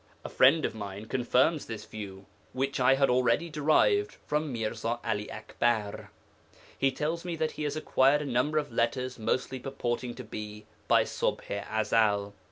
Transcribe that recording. A friend of mine confirms this view which I had already derived from Mirza Ali Akbar. He tells me that he has acquired a number of letters mostly purporting to be by Ṣubḥ i Ezel.